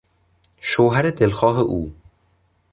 شوهر دلخواه او